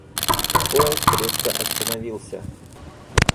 Поезд резко остановился.